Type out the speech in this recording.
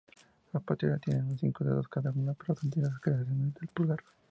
Las posteriores tienen cinco dedos cada una, pero las anteriores carecen de pulgar.